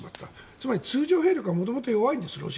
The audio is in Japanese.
つまり通常兵力が元々、ロシアは弱いんです。